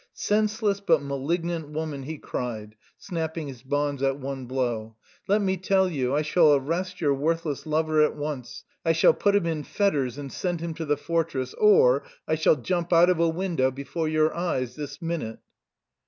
"Senseless but malignant woman," he cried, snapping his bonds at one blow, "let me tell you, I shall arrest your worthless lover at once, I shall put him in fetters and send him to the fortress, or I shall jump out of a window before your eyes this minute!"